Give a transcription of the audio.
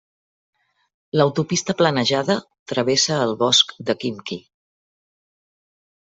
L'autopista planejada travessa el bosc de Khimki.